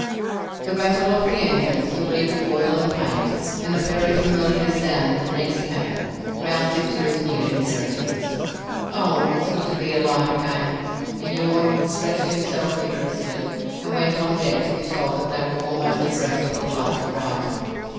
The rattle of the engines, the reek of oil and paint, and a very familiar sound in the next cabin roused him to his new inheritance. "Oh, it's good to be alive again!" He yawned, stretched himself vigorously, and went on deck to be told that they were almost abreast of the lights of Brighton.